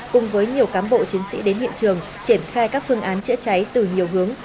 cùng với nhiều cán bộ chiến sĩ đến hiện trường triển khai các phương án chữa cháy từ nhiều hướng